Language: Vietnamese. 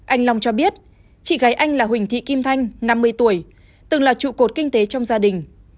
anh long cho biết chị gái anh là huỳnh thị kim thanh năm mươi tuổi từng là trụ cột kinh tế trong gia đình